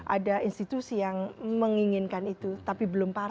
ada institusi yang menginginkan itu tapi belum partai